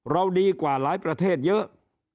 เราดีกว่าหลายประเทศเยอะ